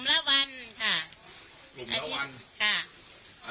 อาทิตย์หนึ่งมากลุ่มละวันค่ะ